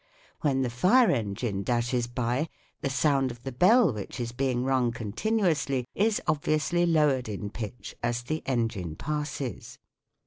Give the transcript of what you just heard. When the fire^ engine dashes by, the sound of the bell which is being rung continuously is obviously lowered in pitch as the engine passes.